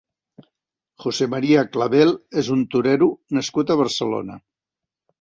José María Clavel és un torero nascut a Barcelona.